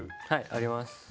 はいあります。